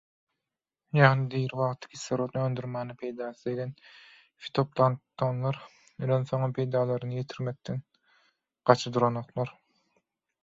Ýagny diri wagty kislorod öndürmäne peýdasy degen fitoplanktonlar ölensoňam peýdalaryny ýetirmekden gaça duranoklar